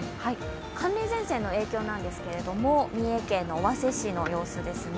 寒冷前線の影響なんですけど三重県尾鷲市の様子です。